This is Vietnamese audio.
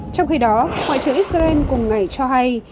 trong khi đó ngoại trưởng israel cùng ngày cho hay